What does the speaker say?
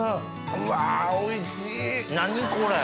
うわおいしい何これ！